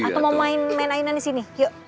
aku mau main main ayunan di sini yuk